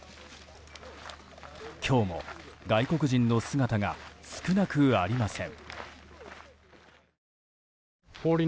今日も外国人の姿が少なくありません。